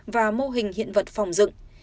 và mô hình hiện vật phòng dựng